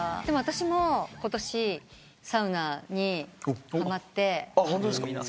でも私もことしサウナにはまって。